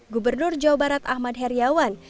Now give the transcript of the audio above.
gubernur jawa barat ahmad heriawan